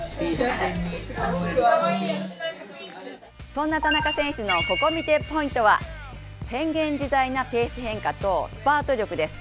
そんな田中選手のここ見てポイントは変幻自在なペース変化とスパート力です。